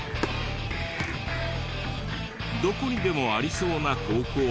どこにでもありそうな高校なのに。